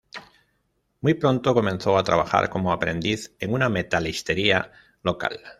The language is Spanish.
Muy pronto comenzó a trabajar como aprendiz en una metalistería local.